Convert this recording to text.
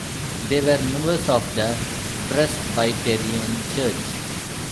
They were members of the Presbyterian Church.